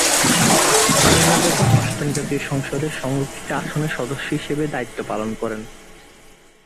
আমেনা বেগম অষ্টম জাতীয় সংসদের সংরক্ষিত আসনের সংসদ সদস্য হিসেবে দায়িত্ব পালন করেন।